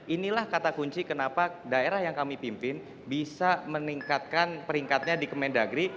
inilah kata kunci kenapa daerah yang kami pimpin bisa meningkatkan peringkatnya di kemendagri